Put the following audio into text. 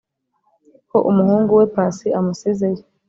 ko umuhunguwe pasi amusizeyo